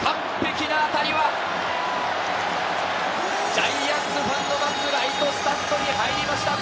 完璧な当たりはジャイアンツファンの待つライトスタンドに入りました。